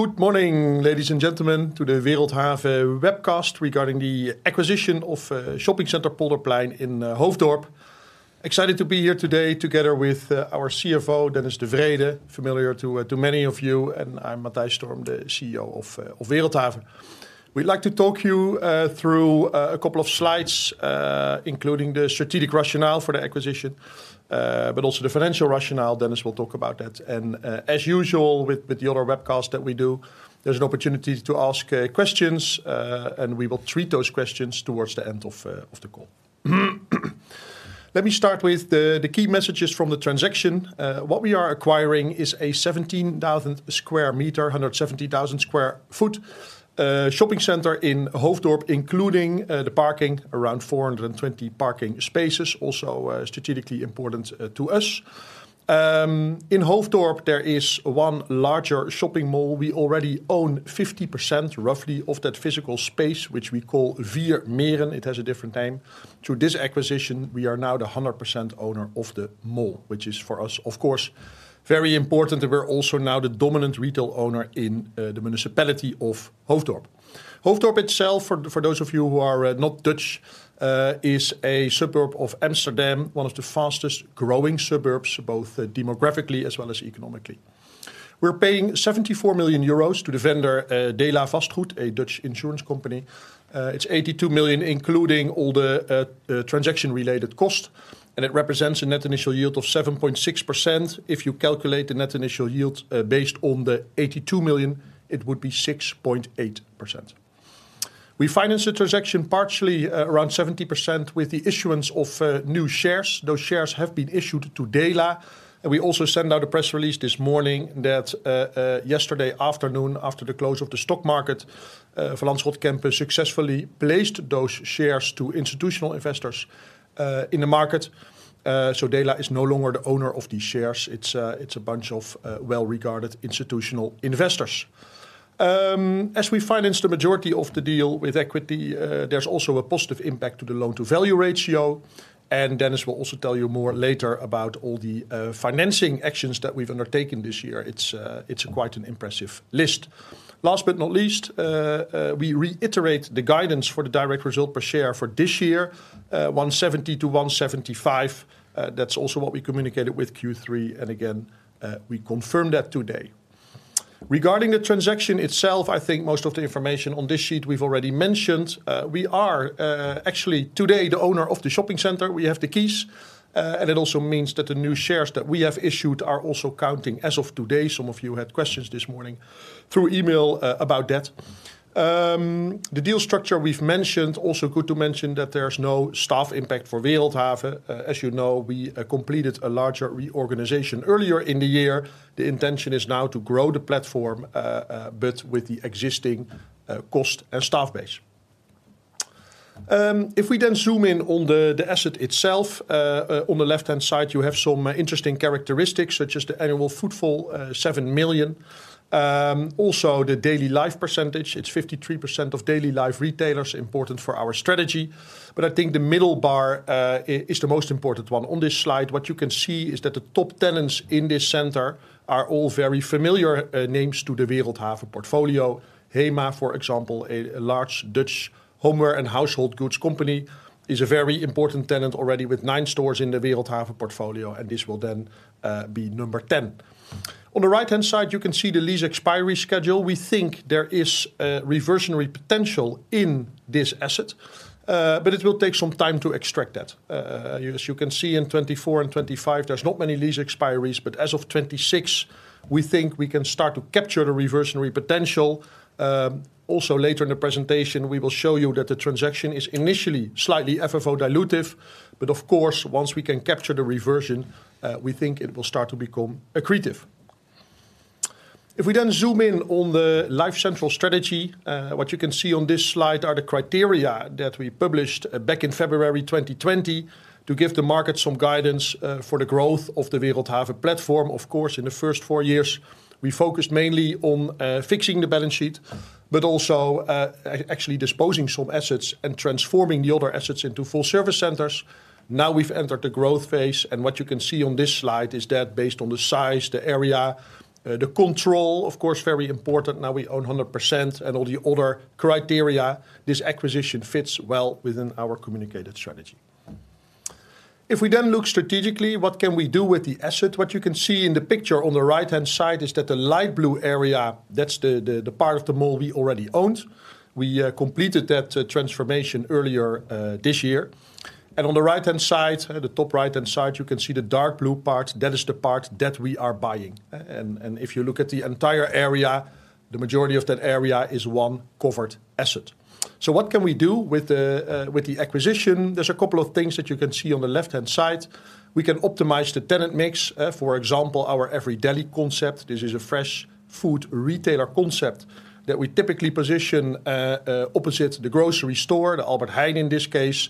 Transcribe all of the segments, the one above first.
Good morning, ladies and gentlemen, to the Wereldhave webcast regarding the acquisition of shopping center Polderplein in Hoofddorp. Excited to be here today together with our CFO, Dennis de Vreede, familiar to many of you, and I'm Matthijs Storm, the CEO of Wereldhave. We'd like to talk you through a couple of slides, including the strategic rationale for the acquisition, but also the financial rationale. Dennis will talk about that. And as usual, with the other webcasts that we do, there's an opportunity to ask questions, and we will treat those questions towards the end of the call. Let me start with the key messages from the transaction. What we are acquiring is a 17,000 sq m, 170,000 sq ft shopping center in Hoofddorp, including the parking, around 420 parking spaces, also strategically important to us. In Hoofddorp there is one larger shopping mall. We already own 50%, roughly, of that physical space, which we call Vier Meren. It has a different name. Through this acquisition, we are now the 100% owner of the mall, which is for us, of course, very important. We're also now the dominant retail owner in the municipality of Hoofddorp. Hoofddorp itself, for those of you who are not Dutch, is a suburb of Amsterdam, one of the fastest growing suburbs, both demographically as well as economically. We're paying 74 million euros to the vendor, DELA Vastgoed, a Dutch insurance company. It's 82 million including all the, the transaction-related cost, and it represents a Net Initial Yield of 7.6%. If you calculate the Net Initial Yield, based on the 82 million, it would be 6.8%. We financed the transaction partially, around 70%, with the issuance of, new shares. Those shares have been issued to DELA, and we also sent out a press release this morning that, yesterday afternoon, after the close of the stock market, Van Lanschot Kempen successfully placed those shares to institutional investors, in the market. So DELA is no longer the owner of these shares. It's, it's a bunch of, well-regarded institutional investors. As we financed the majority of the deal with equity, there's also a positive impact to the loan-to-value ratio, and Dennis will also tell you more later about all the financing actions that we've undertaken this year. It's quite an impressive list. Last but not least, we reiterate the guidance for the direct result per share for this year, 1.70-1.75. That's also what we communicated with Q3, and again, we confirm that today. Regarding the transaction itself, I think most of the information on this sheet we've already mentioned. We are actually today the owner of the shopping center. We have the keys, and it also means that the new shares that we have issued are also counting as of today. Some of you had questions this morning through email about that. The deal structure we've mentioned. Also good to mention that there's no staff impact for Wereldhave. As you know, we completed a larger reorganization earlier in the year. The intention is now to grow the platform, but with the existing cost and staff base. If we then zoom in on the asset itself, on the left-hand side you have some interesting characteristics, such as the annual footfall, 7 million. Also the Daily Life percentage, it's 53% of Daily Life retailers, important for our strategy. But I think the middle bar is the most important one. On this slide, what you can see is that the top tenants in this center are all very familiar names to the Wereldhave portfolio. HEMA, for example, a large Dutch homeware and household goods company, is a very important tenant already with nine stores in the Wereldhave portfolio, and this will then be number 10. On the right-hand side, you can see the lease expiry schedule. We think there is reversionary potential in this asset, but it will take some time to extract that. As you can see, in 2024 and 2025, there's not many lease expiries, but as of 2026, we think we can start to capture the reversionary potential. Also later in the presentation, we will show you that the transaction is initially slightly FFO dilutive, but of course, once we can capture the reversion, we think it will start to become accretive. If we then zoom in on the Life Central strategy, what you can see on this slide are the criteria that we published back in February 2020, to give the market some guidance, for the growth of the Wereldhave platform. Of course, in the first four years, we focused mainly on, fixing the balance sheet, but also, actually disposing some assets and transforming the other assets into Full Service Centers. Now, we've entered the growth phase, and what you can see on this slide is that based on the size, the area, the control, of course, very important, now we own 100%, and all the other criteria, this acquisition fits well within our communicated strategy. If we then look strategically, what can we do with the asset? What you can see in the picture on the right-hand side is that the light blue area, that's the part of the mall we already owned. We completed that transformation earlier this year. And on the right-hand side, the top right-hand side, you can see the dark blue part. That is the part that we are buying. And if you look at the entire area, the majority of that area is one covered asset. So what can we do with the acquisition? There's a couple of things that you can see on the left-hand side. We can optimize the tenant mix. For example, our Every.Deli concept, this is a fresh food retailer concept that we typically position opposite the grocery store, the Albert Heijn, in this case.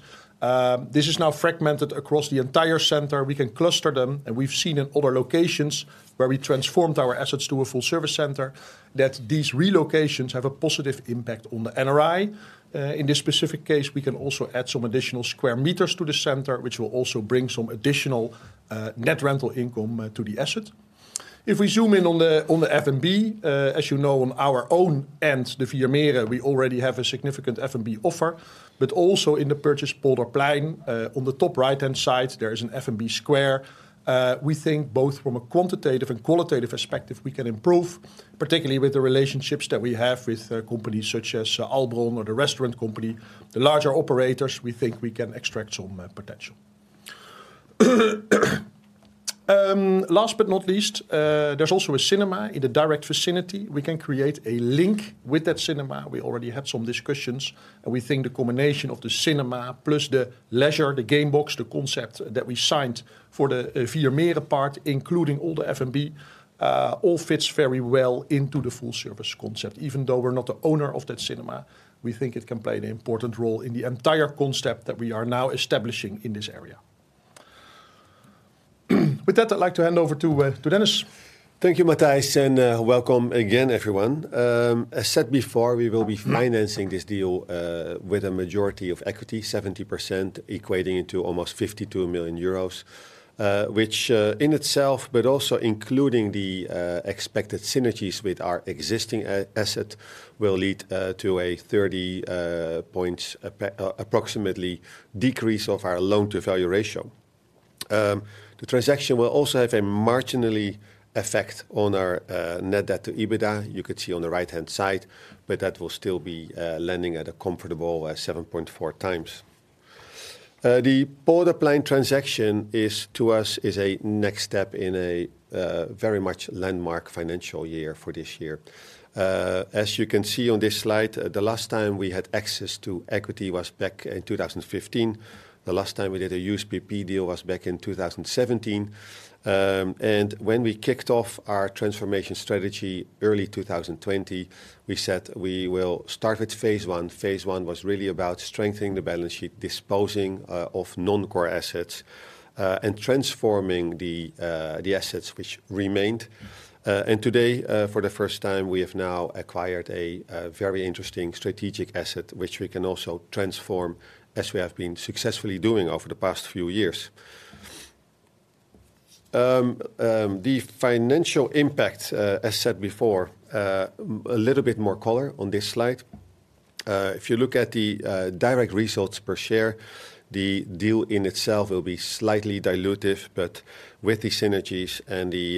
This is now fragmented across the entire center. We can cluster them, and we've seen in other locations where we transformed our assets to a Full Service Center, that these relocations have a positive impact on the NRI. In this specific case, we can also add some additional square meters to the center, which will also bring some additional net rental income to the asset. If we zoom in on the F&B, as you know, on our own end, the Vier Meren, we already have a significant F&B offer. But also in the purchased Polderplein, on the top right-hand side, there is an F&B square. We think both from a quantitative and qualitative perspective, we can improve, particularly with the relationships that we have with companies such as Albron or The Restaurant Company. The larger operators, we think we can extract some potential. Last but not least, there's also a cinema in the direct vicinity. We can create a link with that cinema. We already had some discussions, and we think the combination of the cinema plus the leisure, the Gamebox, the concept that we signed for the Vier Meren part, including all the F&B, all fits very well into the full service concept. Even though we're not the owner of that cinema, we think it can play an important role in the entire concept that we are now establishing in this area. With that, I'd like to hand over to to Dennis. Thank you, Matthijs, and welcome again, everyone. As said before, we will be financing this deal with a majority of equity, 70% equating to almost 52 million euros. Which, in itself, but also including the expected synergies with our existing asset, will lead to a 30 points approximately decrease of our loan-to-value ratio. The transaction will also have a marginally effect on our net debt to EBITDA. You could see on the right-hand side, but that will still be landing at a comfortable 7.4x. The Polderplein transaction is, to us, a next step in a very much landmark financial year for this year. As you can see on this slide, the last time we had access to equity was back in 2015. The last time we did a USPP deal was back in 2017. When we kicked off our transformation strategy, early 2020, we said we will start with phase one. Phase one was really about strengthening the balance sheet, disposing of non-core assets, and transforming the assets which remained. Today, for the first time, we have now acquired a very interesting strategic asset, which we can also transform, as we have been successfully doing over the past few years. The financial impact, as said before, a little bit more color on this slide. If you look at the direct results per share, the deal in itself will be slightly dilutive, but with the synergies and the,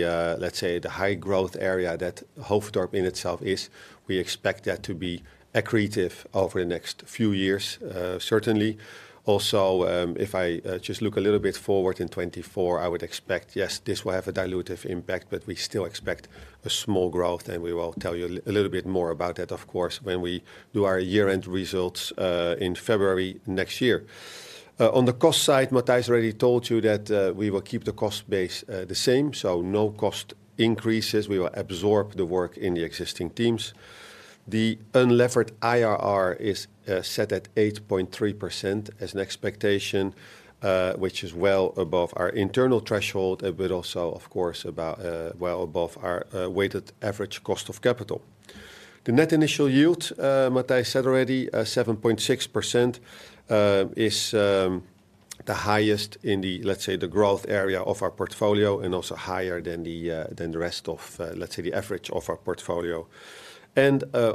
let's say, the high growth area that Hoofddorp in itself is, we expect that to be accretive over the next few years, certainly. Also, if I just look a little bit forward in 2024, I would expect, yes, this will have a dilutive impact, but we still expect a small growth, and we will tell you a little bit more about that, of course, when we do our year-end results in February next year. On the cost side, Matthijs already told you that we will keep the cost base the same, so no cost increases. We will absorb the work in the existing teams. The unlevered IRR is set at 8.3% as an expectation, which is well above our internal threshold, but also, of course, well above our weighted average cost of capital. The net initial yield, Matthijs said already, 7.6%, is the highest in the, let's say, the growth area of our portfolio and also higher than the rest of, let's say, the average of our portfolio.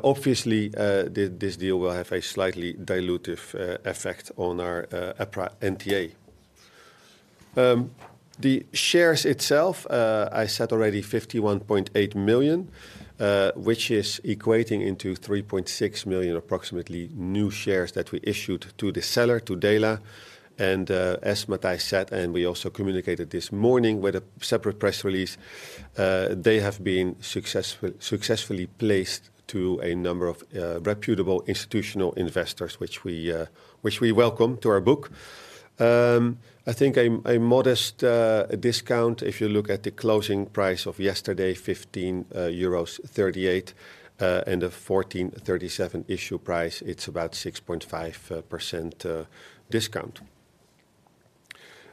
Obviously, this deal will have a slightly dilutive effect on our EPRA NTA. The shares itself, I said already 51.8 million, which is equating into 3.6 million, approximately, new shares that we issued to the seller, to DELA. As Matthijs said, and we also communicated this morning with a separate press release, they have been successfully placed to a number of reputable institutional investors, which we welcome to our book. I think a modest discount, if you look at the closing price of yesterday, 15.38 euros, and a 14.37 issue price, it's about 6.5% discount.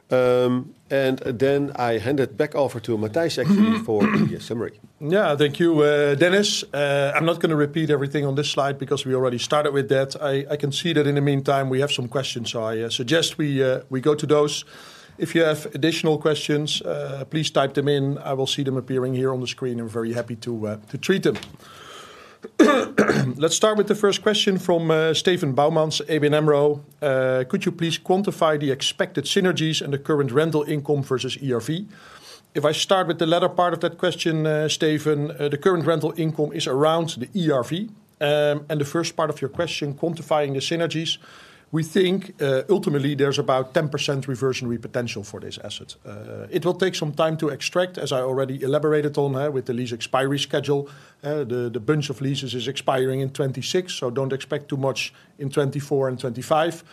And then I hand it back over to Matthijs actually, for the summary. Yeah. Thank you, Dennis. I'm not gonna repeat everything on this slide because we already started with that. I can see that in the meantime, we have some questions, so I suggest we go to those. If you have additional questions, please type them in. I will see them appearing here on the screen, and very happy to treat them. Let's start with the first question from Steven Boumans, ABN AMRO. "Could you please quantify the expected synergies and the current rental income versus ERV?" If I start with the latter part of that question, Steven, the current rental income is around the ERV. And the first part of your question, quantifying the synergies, we think ultimately, there's about 10% reversionary potential for this asset. It will take some time to extract, as I already elaborated on, with the lease expiry schedule. The bunch of leases is expiring in 2026, so don't expect too much in 2024 and 2025.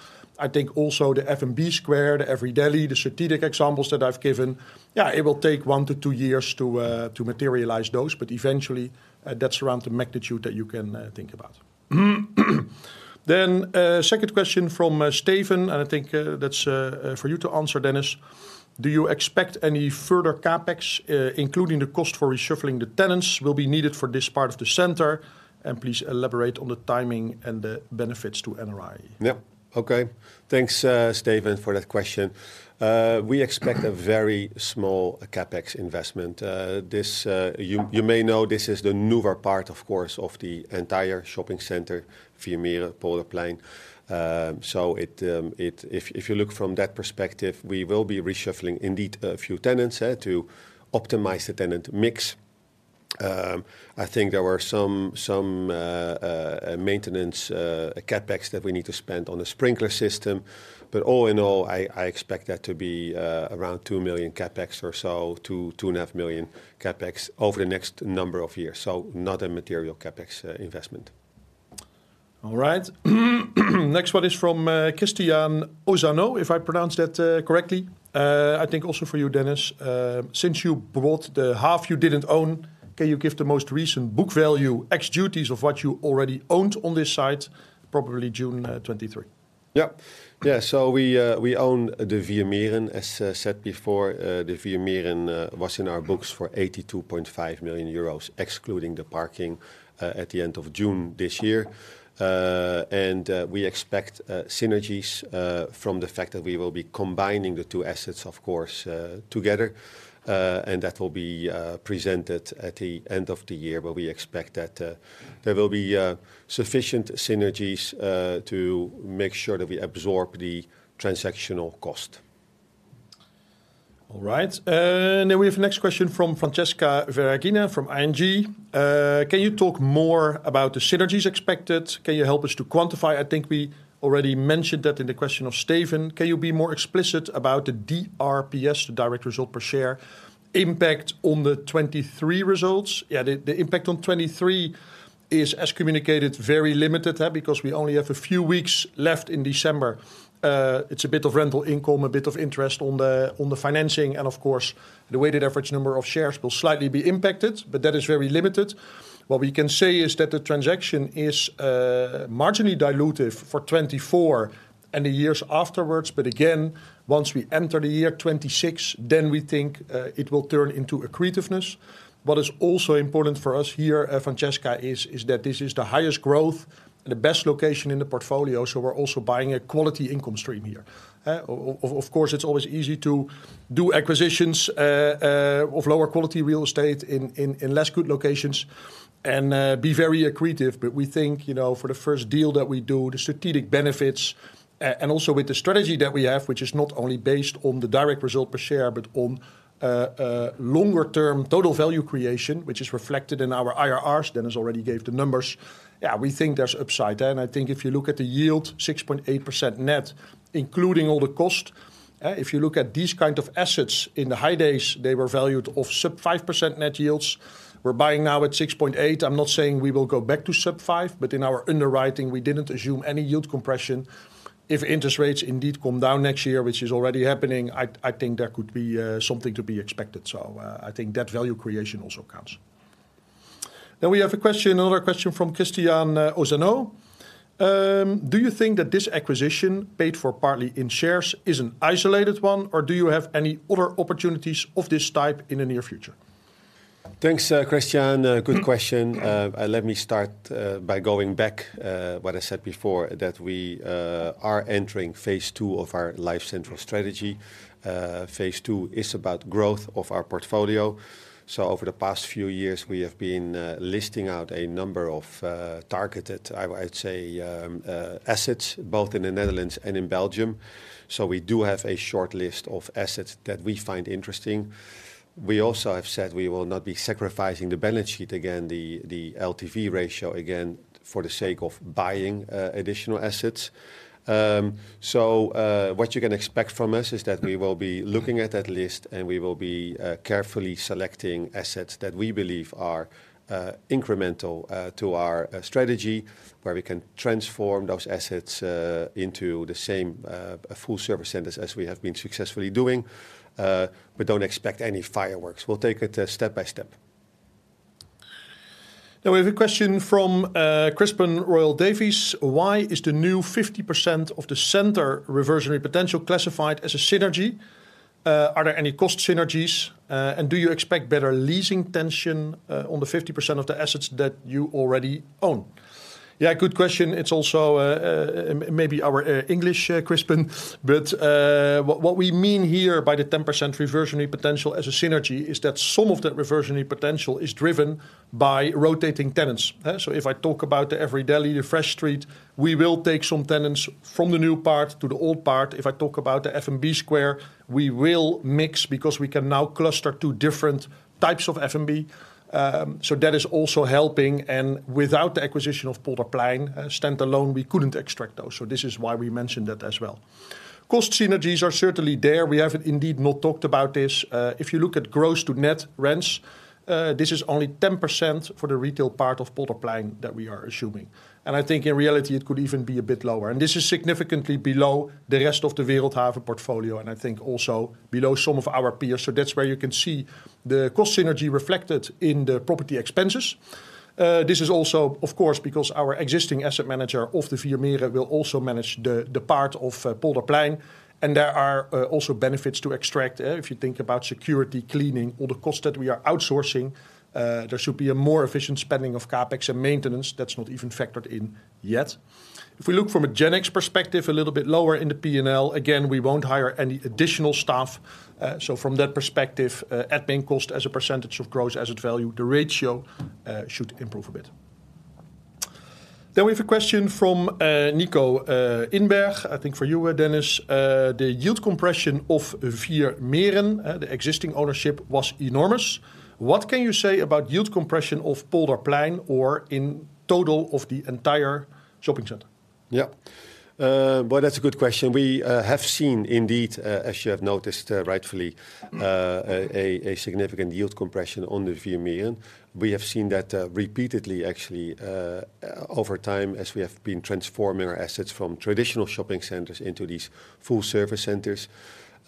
I think also the F&B Square, the Every.Deli, the strategic examples that I've given, yeah, it will take onr year-two years to materialize those, but eventually, that's around the magnitude that you can think about. Then, second question from Steven, and I think that's for you to answer, Dennis: "Do you expect any further CapEx, including the cost for reshuffling the tenants, will be needed for this part of the center? And please elaborate on the timing and the benefits to NRI. Yep. Okay. Thanks, Steven, for that question. We expect a very small CapEx investment. This, you may know, this is the newer part, of course, of the entire shopping center, Vier Meren, Polderplein. So it-- if you look from that perspective, we will be reshuffling indeed a few tenants to optimize the tenant mix. I think there were some maintenance CapEx that we need to spend on the sprinkler system. But all in all, I expect that to be around 2 million CapEx or so, 2, 2.5 million CapEx over the next number of years. So not a material CapEx investment. All right. Next one is from Christian Auzano, if I pronounced that correctly. I think also for you, Dennis. "Since you bought the half you didn't own, can you give the most recent book value, ex duties of what you already owned on this site, probably June 2023? Yeah. Yeah, so we own the Vier Meren. As said before, the Vier Meren was in our books for 82.5 million euro, excluding the parking, at the end of June this year. And we expect synergies from the fact that we will be combining the two assets, of course, together. And that will be presented at the end of the year, but we expect that there will be sufficient synergies to make sure that we absorb the transactional cost. All right. And then we have next question from Francesca Ferragina from ING. "Can you talk more about the synergies expected? Can you help us to quantify?" I think we already mentioned that in the question of Steven. "Can you be more explicit about the DRPS, the direct result per share, impact on the 2023 results?" Yeah, the impact on 2023 is, as communicated, very limited, because we only have a few weeks left in December. It's a bit of rental income, a bit of interest on the, on the financing, and of course, the weighted average number of shares will slightly be impacted, but that is very limited. What we can say is that the transaction is, marginally dilutive for 2024 and the years afterwards, but again, once we enter the year 2026, then we think, it will turn into accretiveness. What is also important for us here, Francesca, is that this is the highest growth and the best location in the portfolio, so we're also buying a quality income stream here. Of course, it's always easy to do acquisitions of lower quality real estate in less good locations and be very accretive. But we think, you know, for the first deal that we do, the strategic benefits, and also with the strategy that we have, which is not only based on the direct result per share, but on longer term total value creation, which is reflected in our IRRs, Dennis already gave the numbers. Yeah, we think there's upside there, and I think if you look at the yield, 6.8% net, including all the cost, if you look at these kind of assets, in the high days, they were valued of sub-5% net yields. We're buying now at 6.8. I'm not saying we will go back to sub-5, but in our underwriting, we didn't assume any yield compression. If interest rates indeed come down next year, which is already happening, I think there could be, something to be expected. So, I think that value creation also counts. Now, we have a question, another question from Christian Ozano. "Do you think that this acquisition, paid for partly in shares, is an isolated one, or do you have any other opportunities of this type in the near future? Thanks, Christian. Good question. Let me start by going back what I said before, that we are entering phase two of our Life Central strategy. Phase two is about growth of our portfolio. So over the past few years, we have been listing out a number of targeted, I'd say, assets, both in the Netherlands and in Belgium. So we do have a short list of assets that we find interesting. We also have said we will not be sacrificing the balance sheet again, the LTV ratio, again, for the sake of buying additional assets. So, what you can expect from us is that we will be looking at that list, and we will be carefully selecting assets that we believe are incremental to our strategy, where we can transform those assets into the same full-service centers as we have been successfully doing. But don't expect any fireworks. We'll take it step by step. Now, we have a question from Crispin Royle-Davies: "Why is the new 50% of the center reversionary potential classified as a synergy? Are there any cost synergies, and do you expect better leasing tension on the 50% of the assets that you already own?" Yeah, good question. It's also maybe our English, Crispin, but what we mean here by the 10% reversionary potential as a synergy is that some of that reversionary potential is driven by rotating tenants. So if I talk about the Every.Deli, the Fresh Street, we will take some tenants from the new part to the old part. If I talk about the F&B Square, we will mix because we can now cluster two different types of F&B. So that is also helping, and without the acquisition of Polderplein, standalone, we couldn't extract those. So this is why we mentioned that as well. Cost synergies are certainly there. We have indeed not talked about this. If you look at gross to net rents, this is only 10% for the retail part of Polderplein that we are assuming, and I think in reality, it could even be a bit lower. And this is significantly below the rest of the Wereldhave portfolio, and I think also below some of our peers. So that's where you can see the cost synergy reflected in the property expenses. This is also, of course, because our existing asset manager of the Vier Meren will also manage the part of Polderplein, and there are also benefits to extract if you think about security, cleaning, all the costs that we are outsourcing. There should be a more efficient spending of CapEx and maintenance. That's not even factored in yet. If we look from a G&A perspective, a little bit lower in the P&L, again, we won't hire any additional staff. So from that perspective, admin cost as a percentage of gross asset value, the ratio, should improve a bit... Then we have a question from Nico Inberg. I think for you, Dennis. "The yield compression of Vier Meren, the existing ownership was enormous. What can you say about yield compression of Polderplein or in total of the entire shopping center? Yeah. Well, that's a good question. We have seen indeed, as you have noticed, rightfully, a significant yield compression on the Vier Meren. We have seen that, repeatedly actually, over time as we have been transforming our assets from traditional shopping centers into these full-service centers.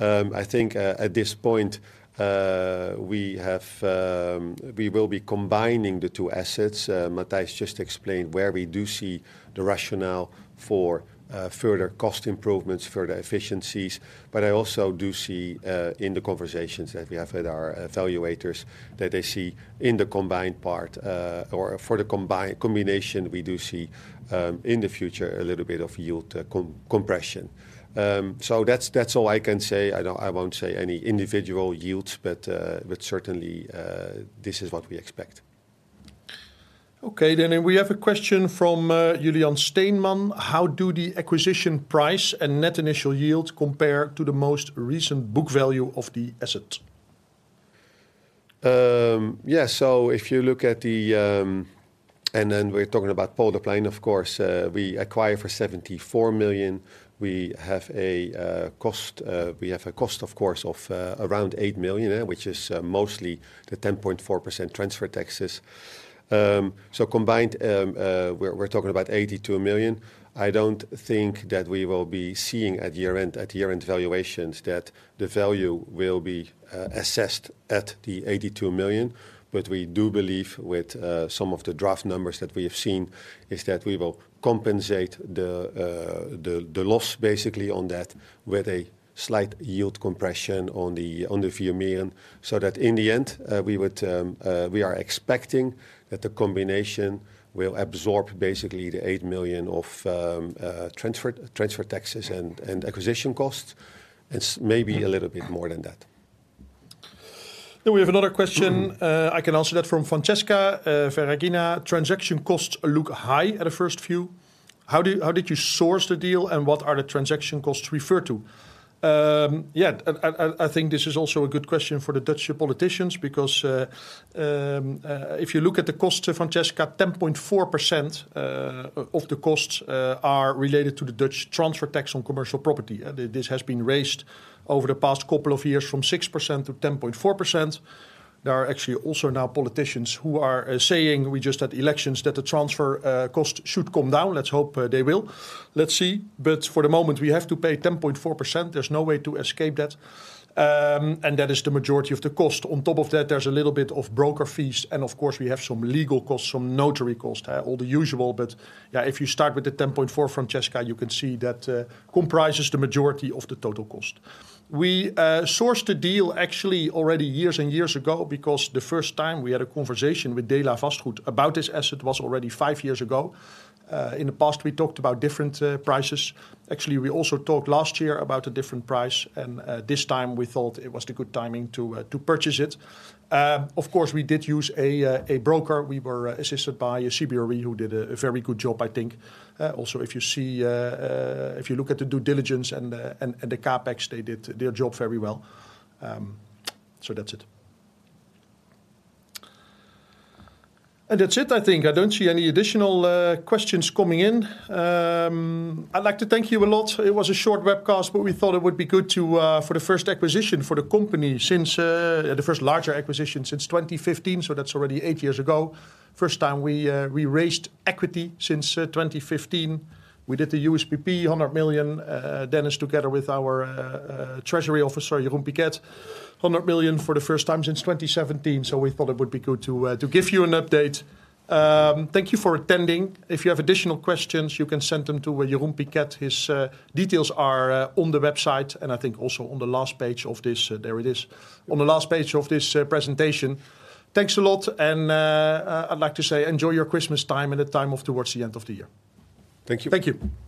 I think, at this point, we have... We will be combining the two assets. Matthijs just explained where we do see the rationale for, further cost improvements, further efficiencies. But I also do see, in the conversations that we have had with our evaluators, that they see in the combined part, or for the combined combination, we do see, in the future, a little bit of yield compression. So that's, that's all I can say. I won't say any individual yields, but, but certainly, this is what we expect. Okay, then, and we have a question from Julian Steinmann: "How do the acquisition price and Net Initial Yields compare to the most recent book value of the asset? Yeah, so if you look at the, and then we're talking about Polderplein, of course, we acquire for 74 million. We have a cost, of course, of around 8 million, yeah, which is mostly the 10.4% transfer taxes. So combined, we're talking about 82 million. I don't think that we will be seeing at year-end valuations that the value will be assessed at the 82 million. But we do believe, with some of the draft numbers that we have seen, is that we will compensate the loss basically on that with a slight yield compression on the Vier Meren. So that in the end, we would, we are expecting that the combination will absorb basically the 8 million of transfer taxes and acquisition costs. It's maybe a little bit more than that. Then we have another question. I can answer that from Francesca Ferragina: "Transaction costs look high at a first view. How did you source the deal, and what are the transaction costs referred to?" Yeah, I think this is also a good question for the Dutch politicians, because if you look at the costs, Francesca, 10.4% of the costs are related to the Dutch transfer tax on commercial property. This has been raised over the past couple of years from 6% to 10.4%. There are actually also now politicians who are saying, we just had elections, that the transfer cost should come down. Let's hope they will. Let's see. But for the moment, we have to pay 10.4%. There's no way to escape that. And that is the majority of the cost. On top of that, there's a little bit of broker fees, and of course, we have some legal costs, some notary costs, all the usual. But, yeah, if you start with the 10.4, Francesca, you can see that comprises the majority of the total cost. We sourced the deal actually already years and years ago, because the first time we had a conversation with DELA Vastgoed about this asset was already five years ago. In the past, we talked about different prices. Actually, we also talked last year about a different price, and this time we thought it was the good timing to purchase it. Of course, we did use a broker. We were assisted by CBRE, who did a very good job, I think. Also, if you see... If you look at the due diligence and the CapEx, they did their job very well. So that's it. That's it, I think. I don't see any additional questions coming in. I'd like to thank you a lot. It was a short webcast, but we thought it would be good to, for the first acquisition for the company since... the first larger acquisition since 2015, so that's already eight years ago. First time we raised equity since 2015. We did the USPP, 100 million, Dennis, together with our treasury officer, Jeroen Piket. 100 million for the first time since 2017, so we thought it would be good to give you an update. Thank you for attending. If you have additional questions, you can send them to Jeroen Piket. His details are on the website, and I think also on the last page of this... there it is, on the last page of this presentation. Thanks a lot, and I'd like to say enjoy your Christmas time and the time off towards the end of the year. Thank you. Thank you.